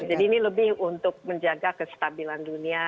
jadi ini lebih untuk menjaga kestabilan dunia